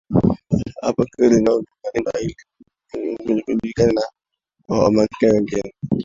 Siri zao zinalindwa ili zisijulikane na Wamasai wengine